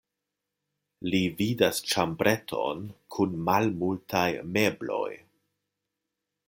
Li vidas ĉambreton kun malmultaj mebloj.